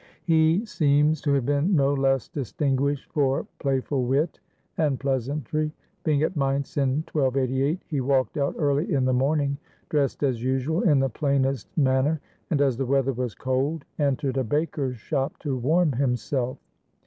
He seems to have been no less distinguished for play ful wit and pleasantry. Being at Mainz in 1288, he walked out early in the morning, dressed as usual in the plainest manner, and as the weather was cold, entered a baker's shop to warm himself.